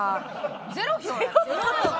０票やん。